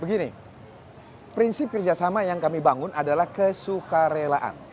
begini prinsip kerjasama yang kami bangun adalah kesuka relaan